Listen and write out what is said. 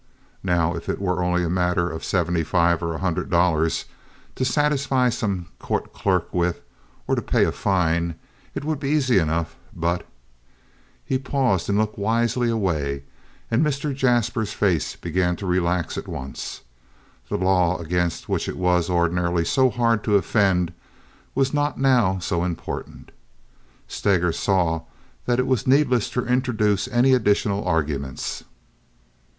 Now if it were only a mere matter of seventy five or a hundred dollars to satisfy some court clerk with, or to pay a fine, it would be easy enough, but—" He paused and looked wisely away, and Mr. Jaspers's face began to relax at once. The law against which it was ordinarily so hard to offend was not now so important. Steger saw that it was needless to introduce any additional arguments.